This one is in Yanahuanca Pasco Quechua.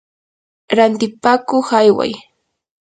rantipakuq ayway.